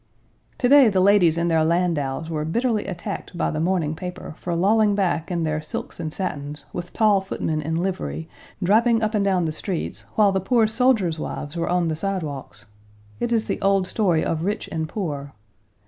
To day, the ladies in their landaus were bitterly attacked by the morning paper for lolling back in their silks and satins, with tall footmen in livery, driving up and down the streets while the poor soldiers' wives were on the sidewalks. It is the old story of rich and poor!